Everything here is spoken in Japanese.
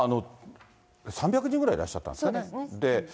３００人ぐらいいらっしゃったんですかね。